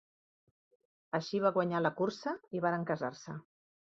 Així va guanyar la cursa i varen casar-se.